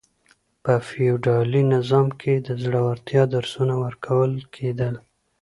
په فيوډالي نظام کي د زړورتيا درسونه ورکول کېدل.